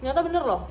nyata bener loh